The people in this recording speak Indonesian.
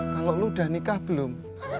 kalau lo udah nikah belum